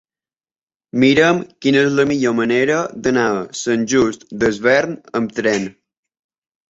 Mira'm quina és la millor manera d'anar a Sant Just Desvern amb tren.